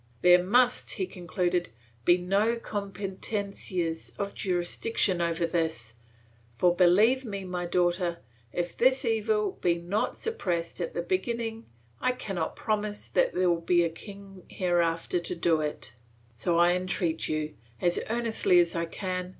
"There must" he concluded "be no competencias of jurisdiction over this, for believe me, my daughter, if this evil be not suppressed at the beginning, I cannot promise that there will be a king hereafter to do it.